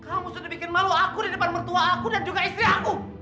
kamu sudah bikin malu aku di depan mertua aku dan juga istri aku